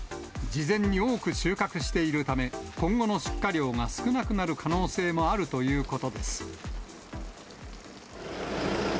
事前に多く収穫しているため、今後の出荷量が少なくなる可能性もあるということです。